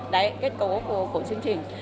đấy kết cấu của chương trình